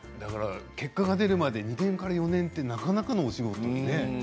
結果が出るまで２年から４年ってなかなかのお仕事ね。